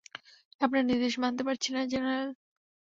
আপনার নির্দেশ মানতে পারছি না, জেনারেল।